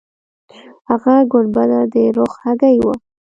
هغه ګنبده د رخ هګۍ وه.